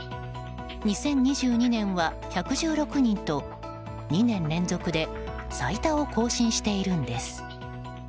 ２０２２年は１１６人と２年連続で最多を更新しているんです。